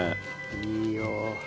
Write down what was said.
いいよ。